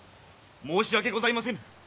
申し訳ございませぬ！